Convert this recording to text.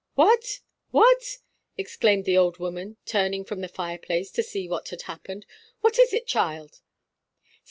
"What, what!" exclaimed the old woman, turning from the fireplace to see what had happened. "What is it, child?"